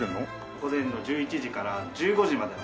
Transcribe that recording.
午前の１１時から１５時までの営業です。